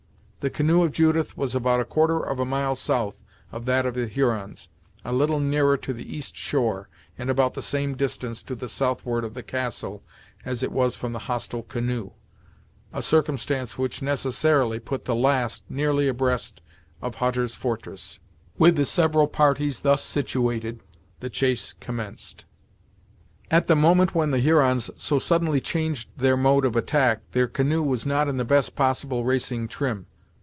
The canoe of Judith was about a quarter of a mile south of that of the Hurons, a little nearer to the east shore, and about the same distance to the southward of the castle as it was from the hostile canoe, a circumstance which necessarily put the last nearly abreast of Hutter's fortress. With the several parties thus situated the chase commenced. At the moment when the Hurons so suddenly changed their mode of attack their canoe was not in the best possible racing trim.